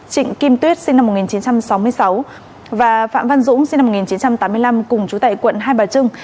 trịnh kim tuyết sinh năm một nghìn chín trăm sáu mươi sáu và phạm văn dũng sinh năm một nghìn chín trăm tám mươi năm cùng chú tại quận hai bà trưng